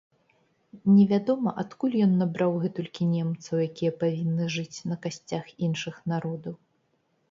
Невядома, адкуль ён набраў гэтулькі немцаў, якія павінны жыць на касцях іншых народаў.